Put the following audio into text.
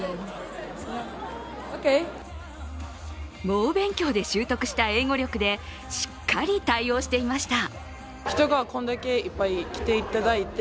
猛勉強で習得した英語力でしっかり対応していました。